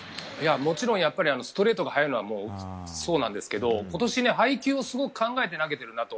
もちろんストレートが速いのは、そうなんですけど今年、配球をすごく考えて投げてるなと。